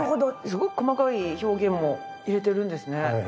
すごく細かい表現も入れてるんですね。